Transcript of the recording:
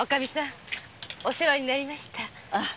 お世話になりました。